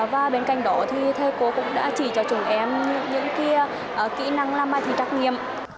và bên cạnh đó thì thầy cô cũng đã chỉ cho chúng em những kỹ năng làm bài thi trắc nghiệm